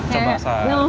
kita cobain sambelnya